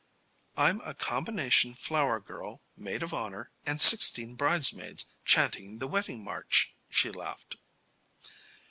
"I'm a combination flower girl, maid of honor and sixteen bridesmaids chanting the wedding march," she laughed.